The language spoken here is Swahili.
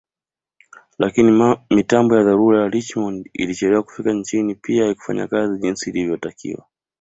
Lakini mitambo ya dharura ya Richmond ilichelewa kufika nchini pia haikufanya kazi jinsi ilivyotakiwa